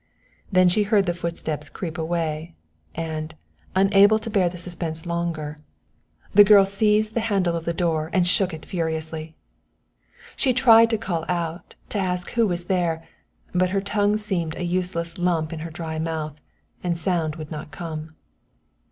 Then she heard the footsteps creep away, and, unable to bear the suspense longer, the girl seized the handle of the door and shook it furiously. She tried to call out, to ask who was there, but her tongue seemed a useless lump in her dry mouth, and sound would not come.